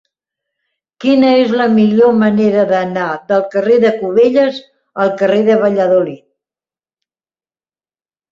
Quina és la millor manera d'anar del carrer de Cubelles al carrer de Valladolid?